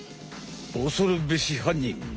おそるべし犯人！